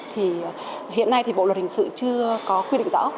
thì hiện nay thì bộ luật hình sự chưa có quy định rõ